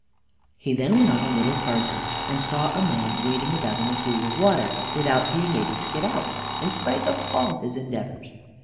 He then went on a little further, and saw a man wading about in a pool of water without being able to get out, in spite of all his endeavors.